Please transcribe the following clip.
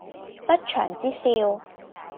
不祥之兆